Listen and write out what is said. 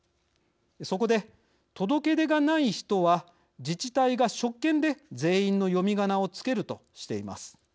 そこで届け出がない人は自治体が職権で全員の読みがなを付けるとしています。